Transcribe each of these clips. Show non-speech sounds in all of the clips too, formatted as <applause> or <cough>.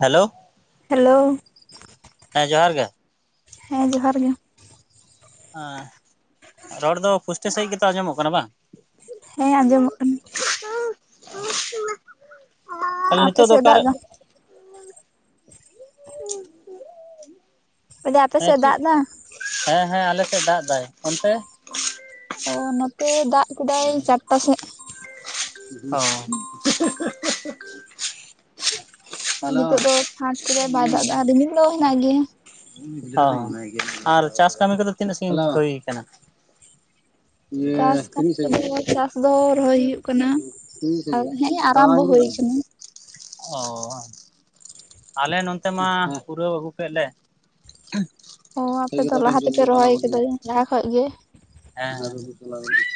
Hello hello ᱦᱮᱸ ᱡᱚᱦᱟᱨ ᱜᱮ᱾ ᱦᱮᱸ ᱡᱚᱦᱟᱨ ᱜᱮ᱾ ᱟᱸ ᱨᱚᱲ ᱫᱚ ᱯᱩᱥᱴᱟᱹ ᱥᱟᱹᱦᱤᱡ ᱜᱮ ᱛᱚ ᱟᱸᱡᱚᱢᱚᱜ ᱠᱟᱱᱟ ᱵᱟᱝ? <inaudible> ᱦᱮᱸ ᱟᱸᱡᱚᱢᱚᱜ ᱠᱟᱱᱟ ᱛᱟᱦᱚᱞᱮ ᱟᱯᱮ ᱱᱤᱛᱚᱜ ᱫᱚ ᱥᱮᱫ-ᱮ ᱫᱟᱜ ᱚᱠᱟᱨᱮ ᱫᱟ? ᱢᱮᱱᱫᱟᱹᱧ ᱦᱮᱸ ᱟᱯᱮᱥᱮᱫ ᱪᱮᱫ ᱫᱟᱜ ᱫᱟ? ᱦᱮᱸ ᱦᱮᱸ ᱟᱞᱮ ᱥᱮᱫ ᱫᱟᱜ ᱫᱟᱭ, ᱚᱱᱛᱮ? ᱳ, ᱱᱚᱛᱮ ᱫᱟᱜ ᱠᱮᱫᱟᱭ ᱪᱟᱨᱴᱟ ᱥᱮᱫ᱾ ᱚ, <inaudible> ᱟᱨ ᱦᱮᱞᱳ ᱱᱤᱛᱚᱜ ᱫᱚ ᱯᱷᱟᱸᱠ ᱠᱮᱫᱟᱭ ᱵᱟᱭ ᱫᱟᱜ ᱫᱟ, ᱟᱨ ᱨᱤᱢᱤᱞ ᱫᱚ ᱦᱮᱱᱟᱜ ᱜᱮᱭᱟ᱾ ᱚ, ᱟᱨ ᱪᱟᱥ ᱠᱟᱹᱢᱤ ᱠᱚᱫᱚ ᱛᱤᱱᱟᱹᱜ ᱥᱟᱺᱜᱤᱧ ᱦᱩᱭ ᱠᱟᱱᱟ? ᱤᱭᱟᱹ ᱪᱟᱥ ᱠᱟᱹᱢᱤ ᱛᱤᱱᱟᱹᱜ ᱥᱟᱺᱜᱤᱧ ᱠᱚᱫᱚ ᱪᱟᱥ ᱫᱚ ᱨᱚᱦᱚᱭ ᱦᱩᱭᱩᱜ ᱠᱟᱱᱟ ᱛᱤᱱᱟᱹᱜ ᱟᱨ ᱥᱟᱺᱜᱤᱧ ᱦᱮᱸ ᱟᱨᱟᱢᱵᱚ ᱦᱩᱭ ᱫᱟᱲᱟᱱᱤᱧ ᱠᱟᱱᱟ᱾ ᱚ, ᱵᱟᱝ᱾ ᱟᱞᱮ ᱱᱚᱱᱛᱮ ᱢᱟ ᱯᱩᱨᱟᱹᱣ ᱦᱩᱯ-ᱮ ᱞᱮ᱾ ᱚ, ᱟᱯᱮ ᱫᱚ ᱞᱟᱦᱟ ᱛᱮᱯᱮ ᱨᱚᱦᱚᱭ ᱦᱮᱸ ᱟᱠᱟᱫᱟ, ᱞᱟᱦᱟ ᱠᱷᱚᱡ ᱜᱮ? ᱦᱮᱸ ᱟᱨᱚ ᱫᱩᱥᱨᱟ ᱞᱟ ᱦᱳᱭᱳᱜ᱾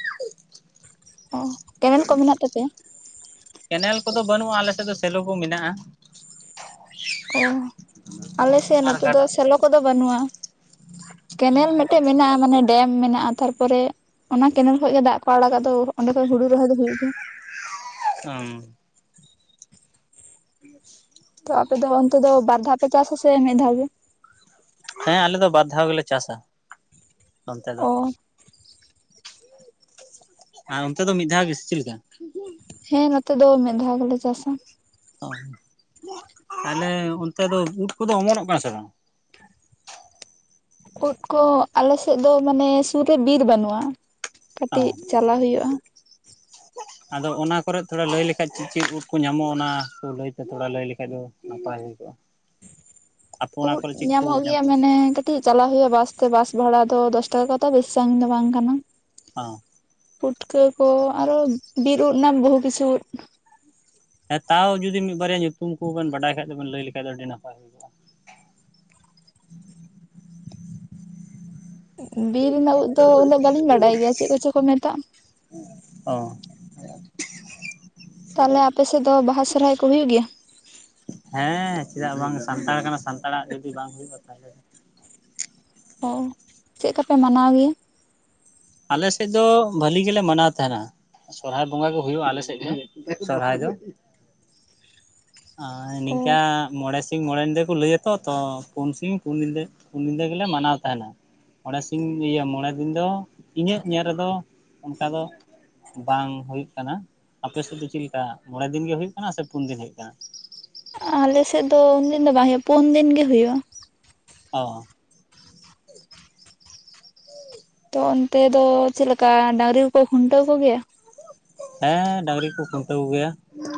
ᱚ, ᱠᱮᱱᱮᱞ ᱠᱚ ᱢᱮᱱᱟᱜ ᱛᱟᱯᱮᱭᱟ? ᱠᱮᱱᱮᱞ ᱠᱚᱫᱚ ᱵᱟᱹᱱᱩᱜᱼᱟ, ᱟᱞᱮ ᱥᱮᱫ ᱫᱚ ᱥᱮᱞᱚ ᱠᱚ ᱢᱮᱱᱟᱜᱼᱟ᱾ ᱚ, ᱟᱞᱮᱥᱮᱫ ᱟᱨ ᱱᱚᱛᱮ ᱫᱚ ᱜᱟᱰᱟ ᱥᱮᱞᱚ ᱠᱚᱫᱚ ᱵᱟᱹᱱᱩᱜᱼᱟ᱾ ᱠᱮᱱᱮᱞ ᱢᱤᱫᱴᱮ ᱢᱮᱱᱟᱜᱼᱟ, ᱢᱟᱱᱮ ᱰᱮᱢ ᱢᱮᱱᱟᱜᱼᱟ ᱛᱟᱨᱯᱚᱨᱮ, ᱚᱱᱟ ᱠᱮᱱᱮᱞ ᱠᱷᱚᱸᱡ ᱜᱮ ᱫᱟᱜ ᱠᱚ ᱟᱲᱟᱜᱟ ᱟᱫᱚ ᱚᱸᱰᱮ ᱠᱷᱚᱡ ᱦᱩᱲᱩ ᱨᱚᱦᱚᱭ ᱫᱚ ᱦᱩᱭᱩᱜ ᱜᱮᱭᱟ᱾ ᱟᱻᱢ <inaudible> ᱛᱚ ᱟᱯᱮ ᱫᱚ ᱚᱱᱛᱮ ᱫᱚ ᱵᱟᱨ ᱫᱷᱟᱣ ᱯᱮ ᱪᱟᱥ ᱟᱥᱮ ᱢᱤᱫ ᱫᱷᱟᱣ ᱜᱮ? ᱦᱮᱸ ᱟᱞᱮ ᱫᱚ ᱵᱟᱨ ᱫᱷᱟᱣ ᱜᱮᱞᱮ ᱪᱟᱥᱟ, ᱚᱱᱛᱮ ᱫᱚ᱾ ᱚ ᱟᱨ ᱚᱱᱛᱮ ᱫᱚ ᱢᱤᱫ ᱫᱷᱟᱣ ᱜᱮ ᱪᱮᱫ ᱞᱮᱠᱟ? ᱦᱮᱸ ᱱᱚᱛᱮ ᱫᱚ ᱢᱤᱫ ᱫᱷᱟᱣ ᱜᱮᱞᱮ ᱪᱟᱥᱟ᱾ ᱚ, ᱛᱟᱦᱚᱞᱮ ᱚᱱᱛᱮ ᱫᱚ ᱩᱫᱽ ᱠᱚᱫᱚ ᱚᱢᱚᱱᱚᱜ ᱠᱟᱱᱟ ᱥᱮ ᱵᱟᱝ? ᱩᱫᱽ ᱠᱚ ᱟᱞᱮᱥᱮᱫ ᱫᱚ ᱢᱟᱱᱮ ᱥᱩᱨ ᱨᱮ ᱵᱤᱨ ᱵᱟᱹᱱᱩᱜᱼᱟ, ᱠᱟᱹᱴᱤᱡ ᱚ ᱪᱟᱞᱟ ᱦᱩᱭᱩᱜᱼᱟ, ᱟᱫᱚ ᱚᱱᱟ ᱠᱚᱨᱮᱫ ᱛᱷᱚᱲᱟ ᱞᱟᱹᱭ ᱞᱮᱠᱷᱟᱡ ᱪᱮᱫ ᱪᱮᱫ ᱩᱫᱽ ᱠᱚ ᱧᱟᱢᱚᱜᱼᱟ? ᱚᱱᱟ ᱠᱚ ᱞᱟᱹᱭᱛᱮ ᱛᱷᱚᱲᱟ ᱞᱟᱹᱭ ᱞᱮᱠᱷᱟᱡ ᱫᱚ ᱱᱟᱯᱟᱭ ᱦᱩᱭ ᱠᱚᱜᱼᱟ᱾ ᱟᱯᱮ ᱚᱱᱟ ᱳᱫᱽ ᱠᱚᱨᱮ ᱪᱮᱫ ᱠᱚ ᱧᱟᱢᱚᱜ ᱧᱟᱢ ᱜᱮᱭᱟ ᱢᱟᱱᱮ ᱠᱟᱹ ᱴᱤᱡ ᱪᱟᱞᱟᱜ ᱦᱩᱭᱩᱜᱼᱟ ᱵᱟᱥ ᱛᱮ ᱵᱟᱥ ᱵᱷᱟᱲᱟ ᱫᱚ ᱫᱚᱥ ᱴᱟᱠᱟ ᱠᱚ ᱦᱟᱛᱟᱣᱟ ᱵᱮᱥᱤ ᱥᱟᱸᱜᱤᱧ ᱫᱚ ᱵᱟᱝ ᱠᱟᱱᱟ᱾ ᱚ, ᱯᱩᱴᱠᱟᱹ ᱠᱚ ᱟᱨᱚ ᱵᱤᱨ ᱩᱫᱽ ᱱᱟ ᱵᱚᱦᱩ ᱠᱤᱪᱷᱩ ᱦᱮᱸ ᱛᱟᱣ ᱡᱩᱫᱤ ᱢᱤᱫ ᱵᱟᱨᱭᱟ ᱧᱩᱛᱩᱢ ᱠᱚᱵᱮᱱ ᱵᱟᱰᱟᱭ ᱠᱷᱟᱡ ᱫᱚ ᱵᱤᱱ ᱞᱟᱹᱭ ᱞᱮᱠᱟᱱᱡ ᱫᱚ ᱟᱹᱰᱤ ᱱᱟᱯᱟᱭ ᱵᱤᱨ ᱨᱮᱱᱟᱜ ᱩᱫᱽ ᱫᱚ ᱩᱱᱟᱹᱜ ᱵᱟᱹᱞᱤᱧ ᱵᱟᱰᱟᱭ ᱜᱮᱭᱟ ᱪᱮᱫ ᱠᱚᱪᱚ ᱠᱚ ᱢᱮᱛᱟᱜ᱾ ᱚ, ᱛᱟᱦᱚᱞᱮ ᱟᱯᱮᱥᱮᱫ ᱫᱚ ᱵᱟᱦᱟ ᱥᱚᱨᱦᱟᱭ ᱠᱚ ᱦᱩᱭᱩᱜ ᱜᱮᱭᱟ? ᱦᱮᱸ ᱪᱮᱫᱟᱜ ᱵᱟᱝ ᱥᱟᱱᱛᱟᱲ ᱠᱟᱱᱟ ᱥᱟᱱᱛᱟᱲᱟᱜ ᱡᱩᱫᱤ ᱵᱟᱝ ᱦᱩᱭᱩᱜᱼᱟ ᱛᱟᱦᱞᱮ, ᱚ, ᱪᱮᱫ ᱠᱟᱯᱮ ᱢᱟᱱᱟᱣ ᱜᱮᱭᱟ? ᱟᱞᱮᱥᱮᱫ ᱫᱚ ᱵᱟᱹᱞᱤ ᱜᱮᱞᱮ ᱢᱟᱱᱟᱣ ᱛᱟᱦᱮᱱᱟ᱾ ᱥᱚᱨᱦᱟᱭ ᱵᱚᱸᱜᱟ ᱜᱮ ᱦᱩᱭᱩᱜᱼᱟ ᱟᱞᱮ ᱥᱮᱫ ᱜᱮ, ᱥᱚᱨᱦᱟᱭ ᱫᱚ᱾ <inaudible> ᱚ ᱱᱤᱝᱠᱟᱹ ᱢᱚᱬᱮ ᱢᱚᱬᱮ ᱧᱤᱫᱟᱹ ᱠᱚ ᱞᱟᱹᱭᱟᱛᱚ ᱛᱚ ᱯᱩᱱ ᱥᱤᱧ ᱯᱩᱱ ᱧᱤᱫᱟᱹ ᱯᱩᱱ ᱧᱤᱫᱟᱹ ᱜᱮᱞᱮ ᱢᱟᱱᱟᱣ ᱛᱟᱦᱮᱱᱟ᱾ ᱢᱚᱬᱮ ᱥᱤᱧ ᱤᱭᱟᱹ ᱢᱚᱬᱮ ᱫᱤᱱ ᱫᱚ ᱤᱧᱟᱹᱜ ᱧᱮᱞ ᱨᱮᱫᱚ ᱚᱱᱠᱟ ᱫᱚ ᱵᱟᱝ ᱦᱩᱭᱩᱜᱭ ᱠᱟᱱᱟ᱾ ᱟᱯᱮᱥᱮᱫ ᱫᱚ ᱪᱮᱞᱠᱟ ᱢᱚᱬᱮ ᱫᱤᱱ ᱜᱮ ᱦᱩᱭᱩᱜᱭ ᱠᱟᱱᱟ ᱥᱮ ᱯᱩᱱ ᱫᱤᱱ ᱦᱩᱭᱩᱜ ᱠᱟᱱᱟ? ᱟᱞᱮᱥᱮᱫ ᱫᱚ ᱩᱱ ᱫᱤᱱ ᱫᱚ ᱵᱟᱝ ᱦᱩᱭᱩᱜ-ᱟ ᱯᱳᱱ ᱫᱤᱱ ᱜᱮ ᱦᱩᱭᱩᱜ-ᱟ᱾ ᱚ᱾ ᱛᱚ ᱚᱱᱛᱮ ᱫᱚ ᱪᱮᱫ ᱞᱮᱠᱟ ᱰᱟᱹᱝᱨᱤ ᱠᱚᱠᱚ ᱠᱷᱩᱱᱴᱟᱹᱣ ᱠᱚᱜᱮᱭᱟ? ᱦᱮᱸ ᱰᱟᱹᱟᱝᱨᱤ ᱠᱚ ᱠᱷᱩᱱᱴᱟᱹᱣ ᱠᱚᱜᱮᱭᱟ᱾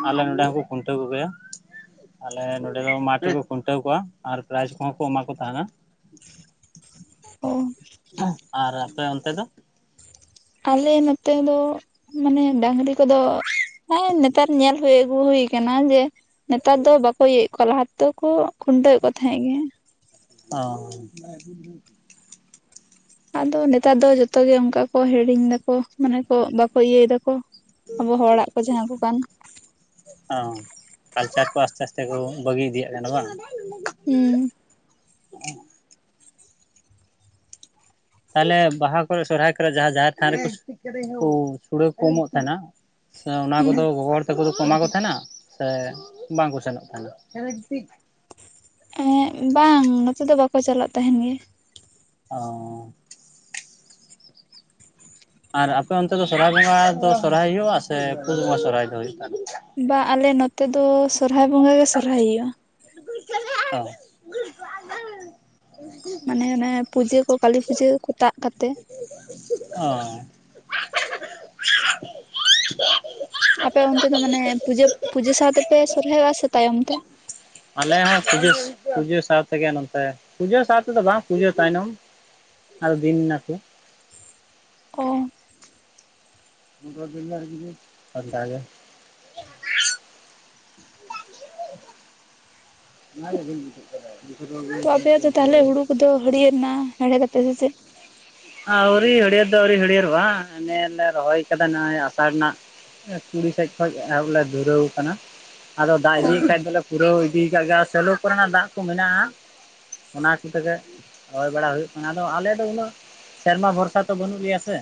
ᱟᱞᱮ ᱱᱚᱸᱰᱮ ᱦᱚᱸᱠᱚ ᱠᱷᱩᱱᱴᱟᱹᱣ ᱠᱚᱜᱮᱭᱟ᱾ ᱟᱞᱮ ᱱᱚᱰᱮ ᱫᱚ ᱢᱟᱴᱷ ᱨᱮᱠᱚ ᱠᱷᱩᱱᱴᱟᱹᱣ ᱠᱚᱣᱟ ᱟᱨ ᱯᱨᱟᱭᱤᱡ ᱠᱚᱦᱚᱸ ᱠᱚ ᱮᱢᱟ ᱠᱚ ᱛᱟᱦᱮᱱᱟ᱾ ᱚ᱾ ᱟᱨ ᱟᱯᱮ ᱟᱱᱛᱮ ᱫᱚ? ᱟᱞᱮ ᱱᱚᱛᱮ ᱫᱚ ᱢᱟᱱᱮ ᱰᱟᱝᱨᱤ ᱠᱚᱫᱚ ᱦᱮᱸ ᱱᱮᱛᱟᱨ ᱧᱮᱞ ᱦᱩᱭ ᱟᱹᱜᱩ ᱦᱩᱭ ᱠᱟᱱᱟ ᱡᱮ ᱱᱮᱛᱟᱨ ᱫᱚ ᱵᱟᱠᱚ ᱤᱭᱟᱹᱭᱮᱫ ᱠᱚᱣᱟ ᱞᱟᱦᱟ ᱛᱚᱫᱟ ᱠᱚ ᱠᱷᱩᱱᱴᱟᱹᱣᱮᱫ ᱠᱚ ᱛᱟᱦᱮᱸᱫ ᱜᱮ᱾ ᱚ᱾ ᱟᱫᱚ ᱱᱮᱛᱟᱨ ᱫᱚ ᱡᱚᱛᱚ ᱜᱮ ᱚᱱᱠᱟ ᱠᱚ ᱦᱤᱲᱤᱧ ᱫᱟᱠᱚ᱾ ᱢᱟᱱᱮ ᱠᱚ ᱵᱟᱠᱚ ᱤᱭᱟᱹᱭ ᱫᱟᱠᱚ ᱟᱵᱚ ᱦᱚᱲᱟᱜ ᱠᱚ ᱡᱟᱦᱟᱸ ᱠᱚ ᱠᱟᱱ᱾ ᱚ ᱠᱟᱞᱪᱟᱨ ᱠᱚ ᱟᱥᱛᱮ ᱟᱥᱛᱮ ᱠᱚ ᱵᱟᱹᱜᱤ ᱤᱫᱤᱭᱟᱜ ᱠᱟᱱᱟ ᱵᱟᱝ? ᱦᱩᱸ᱾ ᱛᱟᱦᱚᱞᱮ ᱵᱟᱦᱟ ᱠᱚᱨᱮ ᱥᱚᱨᱦᱟᱭ ᱠᱚᱨᱮ ᱡᱟᱦᱟᱸ ᱡᱟᱦᱮᱨ ᱛᱷᱟᱱ ᱨᱮᱠᱚ ᱥᱩᱲᱮ ᱠᱚ ᱮᱢᱚᱜ ᱛᱟᱦᱮᱱᱟ᱾ ᱥᱮ ᱚᱱᱟ ᱦᱩᱸ ᱠᱚᱫᱚ ᱜᱚᱜᱚ ᱦᱚᱲ ᱫᱚ ᱠᱚᱫᱚ ᱮᱢᱟ ᱠᱚ ᱛᱟᱦᱮᱱᱟ ᱥᱮ ᱵᱟᱝᱠᱚ ᱥᱮᱱᱚᱜ ᱛᱟᱦᱮᱱᱟ? ᱮᱸᱜ ᱵᱟᱝ ᱱᱚᱛᱮ ᱫᱚ ᱵᱟᱠᱚ ᱪᱟᱞᱟᱜ ᱛᱟᱦᱮᱱ ᱜᱮ᱾ ᱚ᱾ ᱟᱨ ᱟᱯᱮ ᱚᱱᱛᱮ ᱫᱚ ᱥᱚᱨᱦᱟᱭ ᱵᱚᱸᱜᱟ ᱫᱚ ᱥᱚᱨᱦᱟᱭ ᱦᱩᱭᱩᱜ-ᱟ ᱥᱮ ᱯᱩᱥ ᱵᱚᱸᱜᱟ ᱥᱚᱨᱦᱟᱭ ᱫᱚ ᱦᱩᱭᱩᱜ ᱠᱟᱱ? ᱵᱟ ᱟᱞᱮ ᱱᱚᱛᱮ ᱫᱚ ᱥᱚᱨᱦᱟᱭ ᱵᱚᱸᱜᱟ ᱜᱮ ᱥᱚᱨᱦᱟᱭ ᱦᱩᱭᱩᱜ-ᱟ᱾ ᱚ᱾ ᱢᱟᱱᱮ ᱚᱱᱮ ᱯᱩᱡᱟᱹ ᱠᱚ ᱠᱟᱹᱞᱤ ᱯᱩᱡᱟᱹ ᱠᱚ ᱛᱟᱜ ᱠᱟᱛᱮ᱾ ᱚ᱾ ᱟᱯᱮ ᱚᱱᱛᱮ ᱫᱚ ᱢᱟᱱᱮ ᱯᱩᱡᱟᱹ ᱯᱩᱡᱟᱹ ᱥᱟᱶᱛᱮᱯᱮ ᱥᱚᱨᱦᱟᱭᱚᱜ-ᱟ ᱥᱮ ᱛᱟᱭᱚᱢ ᱛᱮ? ᱟᱞᱮ ᱦᱚᱸ ᱯᱩᱡᱟᱹᱥ ᱯᱩᱡᱟᱹ ᱥᱟᱶ ᱛᱮᱜᱛᱮ ᱜᱮ ᱱᱟᱱᱛᱮ ᱯᱩᱡᱟᱹ ᱥᱟᱶᱛᱮ ᱫᱚ ᱵᱟᱝ ᱯᱩᱡᱟᱹ ᱛᱟᱭᱟᱭᱱᱚᱢ᱾ ᱟᱨ ᱫᱤᱱ ᱱᱟᱠᱩ᱾ ᱚ᱾ <unintelligible> ᱚᱱᱠᱟ ᱜᱮ᱾ <inaudible> ᱚᱱᱟᱜᱮ ᱵᱟᱵᱤᱱ ᱵᱩᱡᱷᱮᱫ᱾ ᱵᱮᱥᱤᱨᱵᱷᱟᱜ ᱜᱮ ᱛᱚ ᱟᱯᱮᱭᱟᱜ ᱫᱚ ᱛᱟᱦᱚᱞᱮ ᱦᱩᱲᱩ ᱠᱚᱫᱚ ᱦᱟᱹᱨᱭᱟᱹᱲ ᱮᱱᱟ ᱦᱮᱲᱮᱫ ᱠᱟᱛᱮᱫ, ᱥᱮ ᱪᱮᱫ? ᱟᱹᱣᱨᱤ ᱦᱟᱹᱲᱭᱟᱹᱨ ᱫᱚ ᱟᱹᱣᱨᱤ ᱦᱟᱹᱲᱭᱟᱹᱨ-ᱟ᱾ ᱚᱱᱮᱞ ᱞᱮ ᱨᱚᱦᱚᱭ ᱟᱠᱟᱫᱟ ᱱᱚᱜᱼᱚᱭ ᱟᱥᱟᱲ ᱨᱮᱱᱟᱜ ᱮ ᱠᱩᱲᱤ ᱥᱮᱫ ᱠᱷᱚᱡ ᱮᱦᱚᱵᱞ ᱞᱮ ᱫᱷᱩᱨᱟᱹᱣ ᱟᱠᱟᱱᱟ ᱟᱫᱚ ᱫᱟᱜ ᱚ ᱤᱫᱤᱭ ᱠᱷᱟᱡ ᱫᱚᱞᱮ ᱯᱩᱨᱟᱹᱣ ᱤᱫᱤᱭ ᱟᱠᱟᱫ ᱜᱮ ᱟᱨ ᱥᱮᱞᱳ ᱠᱚᱨᱮᱱᱟᱜ ᱫᱟᱜ ᱠᱚ ᱢᱮᱱᱟᱜᱼᱟ᱾ ᱚᱱᱟ ᱠᱚᱛᱮᱜᱮ ᱨᱚᱭ ᱵᱟᱲᱟ ᱦᱩᱭᱩᱜ ᱠᱟᱱᱟ᱾ ᱟᱫᱚ ᱟᱞᱮ ᱫᱚ ᱩᱱᱟᱹᱜ ᱥᱮᱨᱢᱟ ᱵᱷᱚᱨᱥᱟ ᱛᱚ ᱵᱟᱹᱱᱩᱜ ᱞᱮᱭᱟ ᱥᱮ᱾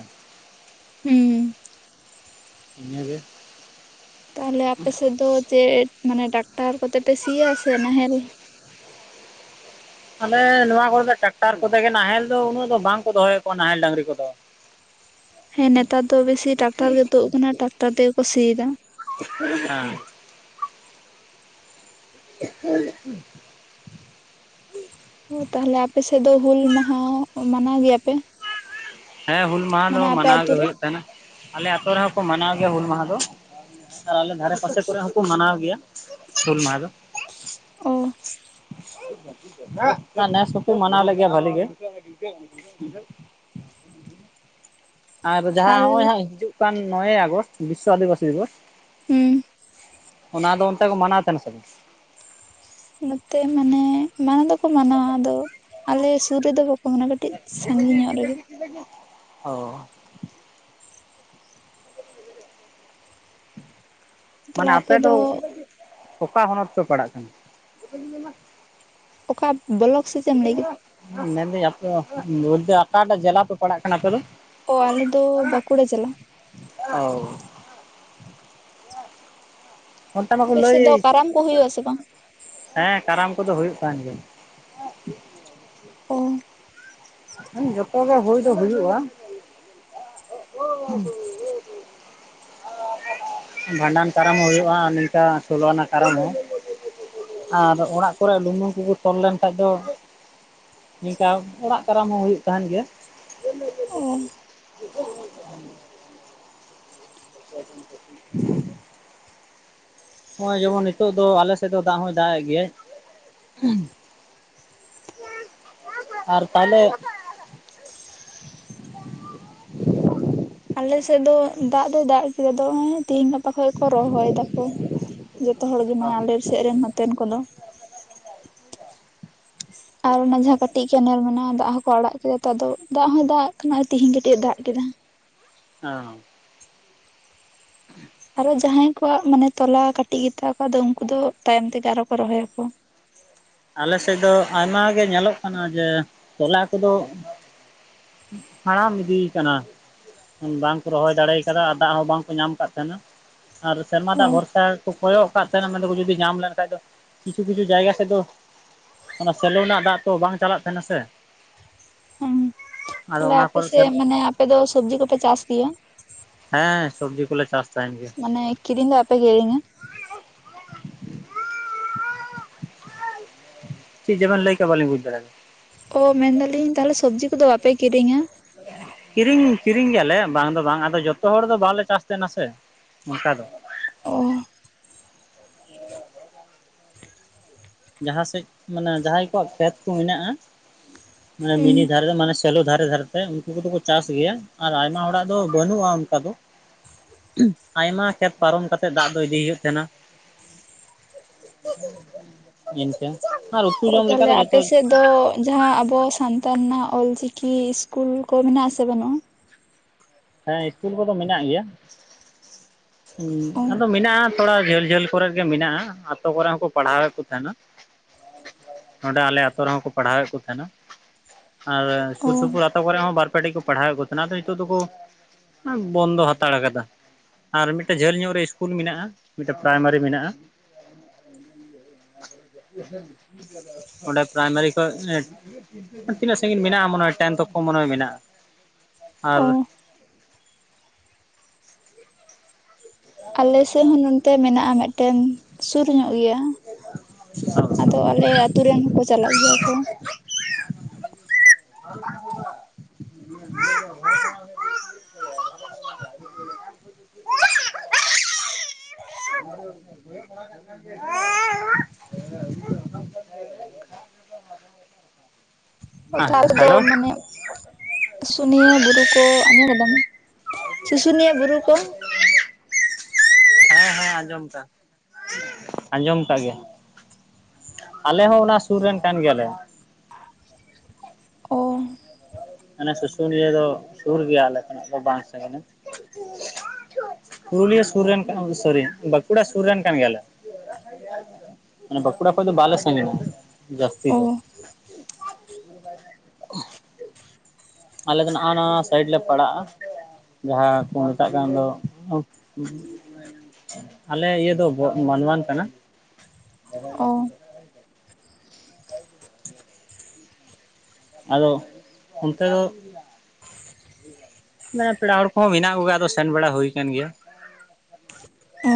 ᱦᱩᱸ᱾ ᱱᱤᱭᱟᱹ ᱜᱮ᱾ ᱛᱟᱦᱚᱞᱮ ᱟᱯᱮᱥᱮᱫ ᱫᱚ ᱪᱮᱫ ᱢᱟᱱᱮ ᱰᱟᱠᱴᱟᱨ ᱠᱚᱛᱮᱯᱮ ᱥᱤᱭᱟ ᱥᱮ ᱱᱟᱦᱮᱞ? ᱟᱞᱮ ᱱᱚᱣᱟ ᱠᱚᱨᱮ ᱫᱚ ᱴᱨᱟᱠᱴᱟᱨ ᱠᱚᱛᱮ ᱜᱮ᱾ ᱱᱟᱦᱮᱞ ᱫᱚ ᱩᱱᱟᱹᱜ ᱫᱚ ᱵᱟᱝ ᱠᱚ ᱫᱚᱦᱚᱭᱟᱠᱚ ᱱᱟᱦᱮᱞ ᱰᱟᱝᱝᱨᱤ ᱠᱚᱫᱚ᱾ ᱦᱮ ᱱᱮᱛᱟᱨ ᱫᱚ ᱵᱮᱥᱤ ᱴᱟᱠᱴᱟᱨ ᱜᱮ ᱛᱩᱫ ᱟᱠᱟᱱᱟ, ᱴᱨᱟᱠᱴᱟᱨ ᱛᱮᱜᱮ ᱠᱚ ᱥᱭᱮᱫᱟ᱾ ᱦᱮᱸ᱾ <inaudible> ᱳ ᱛᱟᱦᱚᱞᱮ ᱟᱯᱮᱥᱮᱫ ᱫᱚ ᱦᱩᱞ ᱢᱟᱦᱟ ᱢᱟᱱᱟᱣ ᱜᱮᱭᱟ ᱯᱮ᱾ ᱦᱮᱸ ᱦᱩᱞ ᱢᱟᱦᱟ ᱫᱚ ᱢᱟᱱᱟᱣ ᱟᱛᱩ ᱜᱮ ᱨᱮ? ᱦᱩᱭᱩᱜ ᱛᱟᱦᱮᱱᱟ, ᱟᱞᱮ ᱟᱛᱳ ᱨᱮᱦᱚᱸ ᱠᱚ ᱢᱟᱱᱟᱣ ᱜᱮᱭᱟ ᱦᱩᱞ ᱢᱟᱦᱟ ᱫᱚ᱾ ᱟᱨ ᱟᱞᱮ ᱫᱷᱟᱨᱮ ᱯᱟᱥᱮ ᱠᱚᱨᱮ ᱦᱚᱸᱠᱚ ᱢᱟᱱᱟᱣ ᱜᱮᱭᱟ ᱦᱩᱞ ᱢᱟᱦᱟ ᱫᱚ᱾ ᱚ ᱱᱮᱥ ᱦᱚᱸᱠᱚ ᱢᱟᱱᱟᱣ ᱞᱮᱫ ᱜᱮᱭᱟ ᱵᱷᱟᱹᱞᱤ ᱜᱮ᱾ <inaudible> ᱟᱨ ᱡᱟᱸᱦᱟᱸ ᱱᱚᱜᱼᱚᱭ ᱟᱞᱮ ᱦᱟᱸᱜ ᱦᱤᱡᱩᱜ ᱠᱟᱱ ᱱᱚᱜ-ᱚᱭ ᱦᱟᱸ ᱦᱤᱡᱩᱜ ᱠᱟᱱ ᱱᱚᱭᱮ ᱟᱜᱚᱥᱴ ᱵᱤᱥᱥᱚ ᱟᱹᱫᱤᱵᱟᱟᱹᱥᱤ ᱫᱤᱵᱚᱥ᱾ ᱦᱩᱸ ᱚᱱᱟ ᱫᱚ ᱚᱱᱛᱮ ᱠᱚ ᱢᱟᱱᱟᱣ ᱛᱟᱦᱮᱱᱟ ᱥᱮ ᱵᱟᱝ᱾ ᱱᱚᱛᱮ ᱢᱟᱱᱮ ᱢᱟᱱᱟᱣ ᱫᱚᱠᱚ ᱢᱟᱱᱟᱣᱟ ᱟᱫᱚ ᱟᱞᱮ ᱥᱩᱨ ᱨᱮᱫᱚ ᱚᱱᱟ ᱠᱟᱹᱴᱤᱡ ᱥᱟᱺᱜᱤᱧ ᱧᱚᱜ ᱨᱮᱜᱮ᱾ ᱚ ᱢᱟᱱᱮ ᱟᱯᱮ ᱫᱚ ᱚᱠᱟ ᱦᱚᱱᱚᱛ ᱯᱮ ᱯᱟᱲᱟᱜ ᱠᱟᱱᱟ? ᱚᱠᱟ ᱵᱞᱚᱠ ᱥᱮ ᱪᱮ ᱮᱢ ᱞᱟᱹᱭ ᱠᱮᱫᱟ᱾ ᱢᱮᱱᱫᱟᱹᱧ ᱟᱯᱮ ᱵᱚᱞᱛᱮ ᱚᱠᱟᱴᱟᱜ ᱡᱮᱞᱟ ᱯᱮ ᱯᱟᱲᱟᱜ ᱠᱟᱱᱟ ᱟᱯᱮ ᱫᱚ? ᱚ ᱟᱞᱮ ᱫᱚ ᱵᱟᱸᱠᱩᱲᱟ ᱡᱮᱞᱟ᱾ <inaudible> ᱚᱱᱛᱮ ᱢᱟᱠᱚ ᱟᱯᱮ ᱥᱮᱫ ᱫᱚ ᱞᱟᱹᱭᱮᱫ, ᱠᱟᱨᱟᱢ ᱠᱚ ᱦᱩᱭᱩᱜ ᱟᱥᱮ ᱵᱟᱝ ᱦᱮᱸ ᱠᱟᱨᱟᱢ ᱠᱚᱫᱚ ᱦᱩᱭᱩᱜ ᱠᱟᱱ ᱜᱮᱭᱟ᱾ ᱚ ᱦᱮᱸ ᱡᱚᱛᱚ ᱜᱮ ᱦᱩᱭ ᱫᱚ ᱦᱩᱭᱩᱜᱼᱟ᱾ ᱵᱷᱟᱸᱰᱟᱱ ᱠᱟᱨᱟᱢ ᱦᱚᱸ ᱦᱩᱭᱩᱜᱼᱟ ᱱᱤᱝᱠᱟ ᱥᱳᱞᱳ ᱟᱱᱟᱜ ᱠᱟᱨᱟᱢ ᱦᱚᱸ᱾ ᱟᱨ ᱚᱲᱟᱜ ᱠᱚᱨᱮ ᱞᱩᱢᱩᱝ ᱠᱚᱠᱚ ᱛᱚᱞ ᱞᱮᱱᱠᱷᱷᱟᱡ ᱫᱚ- ᱱᱤᱝᱠᱟ ᱚᱲᱟᱜ ᱠᱟᱨᱟᱢ ᱦᱚᱸ ᱦᱩᱭᱩᱜ ᱛᱟᱦᱮᱱ ᱜᱮᱭᱟ᱾ ᱚ <inaudible> <inaudible> ᱱᱚᱜ-ᱚᱭ ᱡᱮᱢᱚᱱ ᱱᱤᱛᱚᱜ ᱫᱚ ᱟᱞᱮ ᱥᱮᱫ ᱫᱚ ᱫᱟᱜ ᱦᱚᱭ ᱫᱟᱜᱮᱫ ᱜᱮᱭᱟᱭ᱾ ᱟᱨ ᱛᱟᱦ‌ᱞᱮ ᱟᱞᱮ ᱥᱮᱫ ᱫᱚ ᱫᱟᱜ ᱫᱚᱭ ᱫᱟᱜ ᱠᱮᱫᱟ ᱫᱚᱜ ᱛᱮᱦᱤᱧ ᱜᱟᱯᱟ ᱠᱚ ᱨᱚᱦᱚᱭ ᱫᱟᱠᱚ ᱡᱚᱛᱚ ᱦᱚᱲ ᱜᱮ ᱟᱞᱮ ᱥᱮᱫ ᱨᱮᱱ ᱱᱚᱛᱮᱱ ᱠᱚᱫᱚ᱾ ᱟᱨ ᱚᱱᱟ ᱡᱟᱸᱦᱟᱸ ᱠᱟᱹᱴᱤᱡ ᱠᱮᱱᱮᱞ ᱢᱮᱱᱟᱜᱼᱟ ᱫᱟᱜ ᱦᱚᱸᱠᱚ ᱟᱲᱟᱜ ᱠᱮᱫᱟ ᱛᱚ ᱫᱟᱜ ᱦᱚᱸᱭ ᱫᱟᱜ ᱠᱟᱱᱟ ᱛᱤᱦᱤᱧ ᱠᱟᱹᱴᱤᱡ ᱮ ᱫᱟᱜ ᱠᱮᱫᱟ᱾ <inaudible> <inaudible> ᱟᱨᱚ ᱡᱟᱸᱦᱟᱸᱭ ᱠᱚᱣᱟᱜ ᱢᱟᱱᱮ ᱛᱚᱞᱟ ᱠᱟᱴᱤᱡ ᱜᱮᱛᱟ ᱠᱚᱣᱟ ᱟᱫᱚ ᱩᱱᱠᱩ ᱫᱚ ᱛᱟᱭᱚᱢ ᱛᱮᱜᱮ ᱟᱨᱚ ᱠᱚ ᱨᱚᱦᱚᱭᱟᱠᱚ᱾ ᱟᱞᱮ ᱥᱮᱫ ᱫᱚ ᱟᱭᱢᱟᱜ ᱜᱮ ᱧᱮᱞᱚᱜ ᱠᱟᱱᱟ ᱡᱮ ᱛᱚᱞᱟ ᱠᱚᱫᱚ ᱦᱟᱲᱟᱢ ᱤᱫᱤ ᱟᱠᱟᱱᱟ᱾ ᱵᱟᱝᱠᱚ ᱨᱚᱦᱚᱭ ᱫᱟᱲᱮ ᱠᱟᱫᱟ ᱟᱨ ᱫᱟᱜ ᱦᱚᱸ ᱵᱟᱝ ᱠᱚ ᱧᱟᱢ ᱟᱠᱟᱫ ᱛᱟᱦᱮᱱᱟ ᱟᱨ ᱥᱮᱨᱢᱟ ᱚ ᱫᱟᱜ ᱵᱷᱚᱨᱥᱟ ᱠᱚ ᱠᱚᱭᱚᱜ ᱠᱟᱫ ᱛᱟᱦᱮᱱᱟ ᱢᱮᱱᱫᱟᱠᱚ ᱡᱩᱫᱤ ᱧᱟᱢ ᱞᱮᱱᱠᱷᱟᱱᱡ ᱫᱚ ᱠᱤᱪᱷᱩ ᱠᱤᱪᱷᱩ ᱡᱟᱭᱜᱟ ᱥᱮᱫ ᱫᱚ ᱚᱱᱟ ᱥᱮᱞᱳ ᱨᱮᱱᱟᱜ ᱫᱟᱜ ᱛᱚ ᱵᱟᱝ ᱪᱟᱞᱟᱜ ᱛᱟᱦᱮᱱᱟ ᱥᱮ᱾ ᱦᱩᱸ ᱟᱫᱚ ᱛᱟᱦᱚᱞᱮ ᱚᱱᱟ ᱟᱯᱮ ᱠᱚᱨᱮ ᱥᱮᱫ ᱥᱮᱱ ᱢᱟᱱᱮ ᱟᱯᱮ ᱫᱚ ᱥᱚᱵᱡᱤ ᱠᱚᱯᱮ ᱪᱟᱥ ᱜᱮᱭᱟ᱾ ᱦᱮᱸ ᱥᱚᱵᱽᱡᱤ ᱠᱚᱞᱮ ᱪᱟᱥ ᱛᱟᱦᱮᱱ ᱜᱮᱭᱟ᱾ ᱢᱟᱱᱮ ᱠᱤᱨᱤᱧ ᱫᱚ ᱟᱯᱮ ᱠᱤᱨᱤᱧᱟ᱾ ᱪᱮᱫ ᱪᱮᱵᱮᱱ ᱞᱟᱹᱭ ᱠᱮᱜ-ᱟ ᱵᱟᱞᱤᱧ ᱵᱩᱡᱽ ᱫᱟᱲᱭᱟᱫᱟ᱾ ᱳ ᱢᱮᱱᱫᱟᱞᱤᱧ ᱛᱟᱦᱚᱞᱮ ᱥᱚᱵᱽᱡᱤ ᱠᱚᱫᱚ ᱵᱟᱯᱮ ᱠᱤᱨᱤᱧᱟ᱾ ᱠᱤᱨᱤᱧ ᱠᱤᱨᱤᱧ ᱜᱮᱭᱟᱞᱮ ᱵᱟᱝ ᱫᱚ ᱵᱟᱝ ᱟᱫᱚ ᱡᱚᱛᱚ ᱦᱚᱲ ᱫᱚ ᱵᱟᱞᱮ ᱪᱟᱥ ᱛᱟᱦᱮᱸᱱᱟ ᱥᱮ᱾ ᱚᱱᱠᱟ ᱫᱚ᱾ ᱚᱻ ᱡᱟᱦᱟᱸ ᱥᱮᱫ ᱢᱟᱱᱮ ᱡᱟᱦᱟᱸᱭ ᱠᱚᱣᱟᱜ ᱠᱷᱮᱛ ᱠᱚ ᱢᱮᱱᱟᱜᱼᱟ <unintelligible> ᱢᱟᱱᱮ ᱢᱤᱱᱤ ᱫᱷᱟᱨᱮ ᱨᱮ ᱢᱟᱱᱮ ᱥᱮᱞᱚ ᱫᱷᱟᱨᱮ ᱫᱷᱟᱨᱮᱛᱮ ᱩᱱᱠᱩ ᱠᱚᱫᱚ ᱠᱚ ᱪᱟᱥ ᱜᱮᱭᱟ ᱟᱨ ᱟᱭᱢᱟ ᱦᱚᱲᱟᱜ ᱫᱚ ᱵᱟᱹᱱᱩᱜᱼᱟ ᱚᱱᱠᱟ ᱫᱚ᱾ <unintelligible> ᱟᱭᱢᱟ ᱠᱷᱮᱛ ᱯᱟᱨᱚᱢ ᱠᱟᱛᱮᱫ ᱫᱟᱜ ᱫᱚ ᱤᱫᱤ ᱦᱩᱭᱩᱜ ᱛᱟᱦᱮᱱᱟ᱾ <unintelligible> ᱮᱱᱠᱟ᱾ ᱚᱻ ᱛᱟᱦᱚᱞᱮ ᱟᱯᱮ ᱥᱮᱫ ᱛᱚ ᱡᱟᱦᱟᱸ ᱟᱵᱚ ᱥᱟᱱᱛᱟᱲ ᱨᱮᱱᱟᱜ ᱚᱞ ᱪᱤᱠᱤ ᱤᱥᱠᱩᱞ ᱠᱚ ᱢᱮᱱᱟᱜ ᱟᱥᱮ ᱵᱟᱹᱱᱩᱜᱼᱟ? ᱦᱮᱸ ᱤᱥᱠᱩᱞ ᱠᱚᱫᱚ ᱢᱮᱱᱟᱜ ᱜᱮᱭᱟ᱾ <unintelligible> ᱚ ᱟᱫᱚ ᱢᱮᱱᱟᱜᱼᱟ ᱛᱷᱚᱲᱟ ᱡᱷᱟᱹᱞ ᱡᱷᱟᱹᱞ ᱠᱚᱨᱮ ᱜᱮ ᱢᱮᱱᱟᱜᱼᱟ ᱟᱛᱳ ᱠᱚᱨᱮ ᱦᱚᱸᱠᱚ ᱯᱟᱲᱦᱟᱣᱮᱫ ᱠᱚ ᱛᱟᱦᱮᱱᱟ᱾ <unintelligible> ᱱᱚᱸᱰᱮ ᱟᱞᱮ ᱟᱛᱳ ᱨᱮᱦᱚᱸ ᱠᱚ ᱯᱟᱲᱦᱟᱣᱮᱫ ᱠᱚ ᱛᱟᱦᱮᱱᱟ᱾ ᱟᱨ ᱚ ᱥᱩᱨ ᱥᱩᱯᱩᱨ ᱟᱛᱳ ᱠᱚᱨᱮ ᱦᱚᱸ ᱵᱟᱨ ᱯᱮ ᱴᱷᱮᱡ ᱠᱚ ᱯᱟᱲᱦᱟᱣᱮᱫ ᱠᱚ ᱛᱟᱦᱮᱱᱟ ᱟᱫᱚ ᱱᱤᱛᱚᱜ ᱫᱚ ᱠᱚ ᱵᱚᱱᱫᱚ ᱦᱟᱛᱟᱲ ᱟᱠᱟᱫᱟ᱾ ᱟᱨ ᱢᱤᱫᱴᱮᱱ ᱡᱷᱟᱹᱞ ᱧᱚᱜ ᱨᱮ ᱤᱥᱠᱩᱞ ᱢᱮᱱᱟᱜᱼᱟ ᱢᱤᱫᱴᱮᱱ ᱯᱨᱟᱭᱢᱟᱨᱤ ᱢᱮᱱᱟᱜᱼᱟ᱾ <unintelligible> ᱚᱸᱰᱮ ᱯᱨᱟᱭᱢᱟᱨᱤ ᱠᱷᱚᱡ ᱛᱤᱱᱟᱹᱜ ᱥᱟᱺᱜᱤᱧ ᱢᱮᱱᱟᱜᱼᱟ ᱢᱚᱱᱮ ᱦᱚᱭ ᱴᱮᱱ ᱛᱚᱠᱚ ᱢᱚᱱᱮ ᱦᱚᱭ ᱢᱮᱱᱟᱜᱼᱟ᱾ ᱟᱨ ᱚ ᱟᱞᱮ ᱥᱮᱫ ᱦᱚᱸ ᱱᱚᱛᱮ ᱢᱮᱱᱟᱜᱼᱟ ᱢᱤᱫᱴᱮᱱ ᱥᱩᱨ ᱧᱚᱜ ᱜᱮᱭᱟ᱾ ᱟᱫᱚ ᱟᱞᱮ ᱟᱛᱩ ᱨᱮᱱ ᱦᱚᱸᱠᱚ ᱪᱟᱞᱟᱜ ᱜᱮᱭᱟ ᱠᱚ᱾ ᱦᱮᱞᱳ <unintelligible> ᱢᱟᱱᱮ ᱥᱩᱥᱩᱱᱭᱟ. ᱵᱩᱨᱩ ᱠᱚ ᱟᱡᱚᱢ ᱠᱟᱫᱟᱢ ᱥᱩᱥᱩᱱᱤᱭᱟᱹ ᱵᱩᱨᱩ ᱠᱚ? ᱦᱮᱸ ᱦᱮᱸ ᱟᱸᱡᱚᱢ ᱟᱠᱟᱫ ᱟᱸᱡᱚᱢ ᱟᱠᱟᱫ ᱜᱮᱭᱟ᱾ ᱟᱞᱮ ᱦᱚᱸ ᱚᱱᱟ ᱥᱩᱨ ᱨᱮᱱ ᱠᱟᱱ ᱜᱮᱭᱟᱞᱮ᱾ ᱚᱻ ᱢᱟᱱᱮ ᱥᱩᱥᱩᱱᱤᱭᱟᱹ ᱫᱚ ᱥᱩᱨ ᱜᱮᱭᱟ ᱟᱞᱮ ᱠᱷᱚᱱᱟᱜ ᱫᱚ ᱵᱟᱝ ᱥᱟᱜᱤᱧᱟ᱾ ᱯᱩᱨᱩᱞᱤᱭᱟᱹ ᱥᱩᱨ ᱨᱮᱱ ᱥᱚᱨᱤ ᱵᱟᱸᱠᱩᱲᱟ ᱥᱩᱨ ᱨᱮᱱ ᱠᱟᱱ ᱜᱮᱭᱟᱞᱮ᱾ ᱢᱟᱱᱮ ᱵᱟᱠᱩᱲᱟ ᱠᱷᱚᱡ ᱫᱚ ᱵᱟᱞᱮ ᱥᱟᱜᱤᱧᱟ ᱡᱟᱹᱟᱥᱛᱤ ᱚ ᱫᱚ᱾ ᱟᱞᱮ ᱫᱚ ᱱᱚᱜᱟ ᱱᱚᱣᱟ ᱥᱟᱭᱤᱰ ᱞᱮ ᱯᱟᱲᱟᱜᱼᱟ᱾ ᱡᱟᱦᱟᱸ ᱠᱚ ᱢᱮᱛᱟᱜ ᱠᱟᱱ ᱫᱚ ᱟᱞᱮ ᱤᱭᱟᱹ ᱫᱚ ᱢᱟᱱᱣᱟᱱ ᱠᱟᱱᱟ᱾ ᱚ ᱟᱫᱚ ᱚᱱᱛᱮ ᱫᱚ ᱢᱟᱱᱮ ᱯᱮᱲᱟ ᱦᱚᱲ ᱠᱚᱦᱚᱸ ᱢᱮᱱᱟᱜ ᱠᱚ ᱜᱮᱭᱟᱢ ᱟᱫᱚ ᱥᱮᱱ ᱵᱟᱲᱟ ᱦᱩᱭ ᱠᱟᱱ ᱜᱮᱭᱟ᱾ ᱚ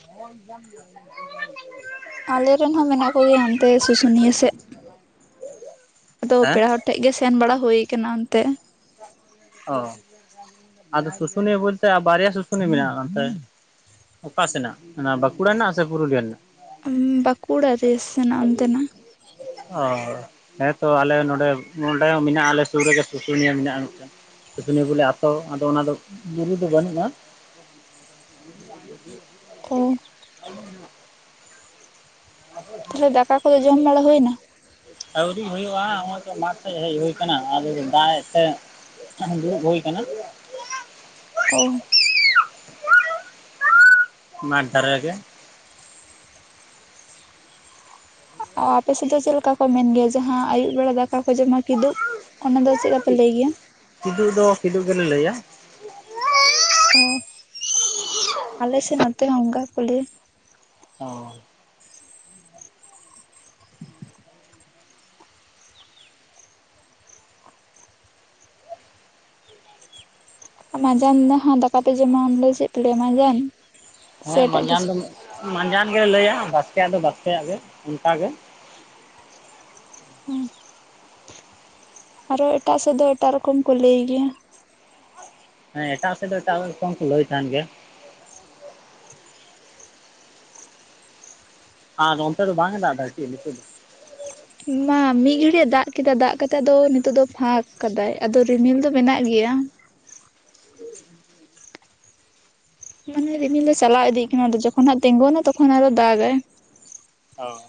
<unintelligible> ᱟᱞᱮᱨᱮᱱ ᱦᱚᱸ ᱢᱮᱱᱟᱜ ᱠᱚᱜᱮᱭᱟ ᱦᱟᱱᱛᱮ ᱥᱩᱥᱩᱱᱤᱭᱟᱹ ᱥᱮᱫ᱾ ᱟᱫᱚ ᱦᱮᱸ ᱯᱮᱲᱟ ᱦᱚᱲ ᱴᱷᱮᱡ ᱜᱮ ᱥᱮᱱ ᱵᱟᱲᱟ ᱦᱩᱭ ᱟᱠᱟᱱᱟ ᱚᱱᱛᱮ᱾ ᱚᱻ ᱟᱫᱚ ᱥᱩᱥᱩᱱᱤᱭᱟᱹ ᱵᱚᱞᱛᱮ ᱵᱟᱨᱭᱟ ᱥᱩᱥᱩᱱᱤᱭᱟᱹ ᱢᱮᱱᱟᱜᱼᱟ ᱚᱱᱛᱮ ᱚᱠᱟ ᱥᱮᱱᱟᱜ ᱚᱱᱟ ᱵᱟᱸᱠᱩᱲᱟ ᱨᱮᱱᱟᱜ ᱥᱮ ᱯᱩᱨᱩᱞᱤᱭᱟᱹ ᱨᱮᱱᱟᱜ? ᱵᱟᱸᱠᱩᱲᱟ ᱨᱮ ᱥᱮᱱᱟᱜ ᱚᱱᱛᱮᱱᱟᱜ᱾ ᱚᱻ ᱦᱮᱸ ᱛᱚ ᱟᱞᱮ ᱱᱚᱸᱰᱮ ᱱᱚᱰᱮ ᱦᱚᱸ ᱢᱮᱱᱟᱜᱼᱟ ᱟᱞᱮ ᱥᱩᱨ ᱨᱮᱜᱮ ᱥᱩᱥᱩᱱᱤᱭᱟᱹ ᱢᱮᱱᱟᱜᱼᱟ ᱢᱤᱫᱴᱮᱱ᱾ ᱥᱩᱥᱱᱤ ᱵᱚᱞᱮ ᱟᱛᱚ ᱟᱫᱚ ᱚᱱᱟ ᱫᱚ ᱵᱩᱨᱩ ᱫᱚ ᱵᱟᱹᱱᱩᱜᱼᱟ, <unintelligible> ᱩᱸᱻ ᱛᱟᱦᱚᱞᱮ ᱫᱟᱠᱟ ᱠᱚᱫᱚ ᱡᱚᱢ ᱵᱟᱲᱟ ᱦᱩᱭ ᱱᱟ? ᱟᱹᱣᱨᱤ ᱦᱩᱭᱩᱜᱼᱟ ᱱᱚᱜᱼᱚᱭ ᱛᱚ ᱢᱟᱴᱷ ᱥᱮᱫ ᱦᱮᱡ ᱦᱩᱭ ᱟᱠᱟᱱᱟ, ᱟᱫᱚ ᱫᱟᱜ ᱮ ᱛᱟᱦᱮᱫ᱾ ᱫᱩᱲᱩᱵ ᱦᱩᱭ ᱠᱟᱱᱟ, ᱚ <unintelligible> ᱢᱟᱴ ᱫᱷᱟᱨᱮ ᱨᱮᱜᱮ᱾ ᱟᱯᱮᱥᱮᱫ ᱫᱚ ᱪᱮᱫ ᱞᱮᱠᱟ ᱠᱚ ᱢᱮᱱ ᱜᱮᱭᱟ ᱡᱟᱦᱟᱸ ᱟᱹᱭᱩᱵ ᱵᱮᱲᱟ ᱫᱟᱠᱟ ᱠᱚ ᱡᱚᱢᱟ ᱠᱤᱫᱩᱵ? ᱚᱱᱟ ᱫᱚ ᱪᱮᱫ ᱞᱮᱠᱟᱯᱮ ᱞᱟᱹᱭ ᱜᱮᱭᱟ? ᱠᱤᱫᱩᱜ ᱫᱚ ᱠᱤᱫᱩ ᱜᱮᱞᱮ ᱞᱟᱹᱭᱟ᱾ ᱚ, ᱟᱞᱮ ᱥᱮᱫ ᱱᱚᱛᱮ ᱦᱚᱸᱝᱠᱟ ᱠᱚ ᱞᱟᱹᱭᱟ᱾ ᱚ ᱢᱟᱡᱟᱱ ᱫᱚ ᱦᱟ ᱫᱟᱠᱟ ᱯᱮ ᱡᱚᱢᱟ, ᱚᱸᱰᱮ ᱪᱮᱫ ᱯᱮ ᱞᱮᱭᱟ ᱢᱟᱡᱟᱱ? ᱥᱮ ᱦᱮᱸ ᱮᱴᱟᱜ ᱢᱟᱸᱡᱟᱱ ᱠᱤᱪᱷᱩ ᱫᱚ ᱢᱟᱸᱡᱟᱱ ᱜᱮᱞᱮ ᱞᱟᱹᱭᱟ ᱵᱟᱥᱠᱮᱭᱟᱜ ᱫᱚ ᱵᱟᱥᱠᱮᱭᱟᱜ ᱜᱮ ᱚᱱᱠᱟᱜ ᱜᱮ᱾ ᱟᱨᱚ ᱮᱴᱟᱜ ᱥᱮᱫ ᱫᱚ ᱮᱴᱟᱜ ᱨᱚᱠᱚᱢ ᱠᱚ ᱞᱟᱹᱭ ᱜᱮᱭᱟ᱾ ᱦᱮᱸ ᱮᱴᱟᱜ ᱥᱮᱫ ᱫᱚ ᱮᱴᱟᱜ ᱠᱚ ᱠᱚ ᱞᱟᱹᱭ ᱛᱟᱦᱮᱱ ᱜᱮᱭᱟ᱾ ᱟᱨ ᱚᱱᱛᱮ ᱫᱚ ᱵᱟᱝᱼᱮ ᱫᱟᱜ ᱫᱟ ᱪᱤ ᱱᱤᱛᱚᱜ ᱫᱚ? ᱢᱟ ᱢᱤᱫ ᱜᱷᱲᱤᱡ ᱫᱟᱜ ᱠᱮᱫᱟ ᱫᱟᱜ ᱠᱟᱛᱮᱜ ᱟᱫᱚ ᱱᱤᱛᱚᱜ ᱫᱚ ᱯᱷᱟᱸᱠ ᱠᱟᱫᱟᱭ ᱟᱫᱚ ᱨᱤᱢᱤᱞ ᱫᱚ ᱢᱮᱱᱟᱜ ᱜᱮᱭᱟ᱾ ᱢᱟᱱᱮ ᱨᱤᱢᱤᱞ ᱫᱚ ᱪᱟᱞᱟᱣ ᱤᱫᱤᱜ ᱠᱟᱱᱟ ᱡᱚᱠᱷᱚᱱᱟᱜ ᱛᱤᱸᱜᱩᱱᱟ ᱛᱚᱠᱷᱚᱱ ᱟᱨᱚ ᱫᱟᱜᱟᱭ᱾ ᱚ